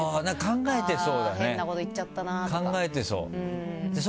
考えてそう。